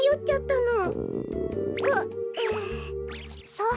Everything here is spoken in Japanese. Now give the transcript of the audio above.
そう。